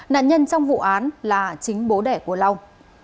nạn nhân trong vụ án là chính bố đẻ của long